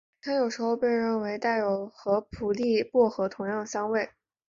它有时候被认为是带有和普列薄荷同样香味。